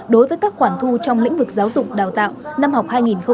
đối với các khoản thu trong lĩnh vực giáo dục đào tạo năm học hai nghìn hai mươi hai nghìn hai mươi